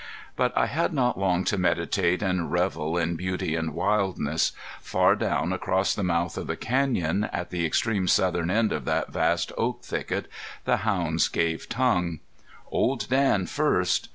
But I had not long to meditate and revel in beauty and wildness. Far down across the mouth of the canyon, at the extreme southern end of that vast oak thicket, the hounds gave tongue. Old Dan first!